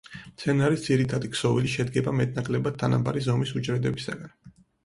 მცენარის ძირითადი ქსოვილი, შედგება მეტ-ნაკლებად თანაბარი ზომის უჯრედებისაგან.